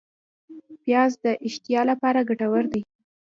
پیاز د اشتها لپاره ګټور دی